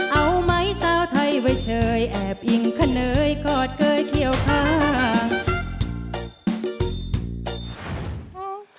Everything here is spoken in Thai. เอาไม้เซาไทยไว้เชยแอบอิ่งขะเนยกอดเกลือเขียวค่า